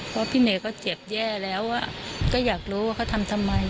เพราะพี่เมย์ก็เจ็บแย่แล้วก็อยากรู้ว่าเขาทำทำไม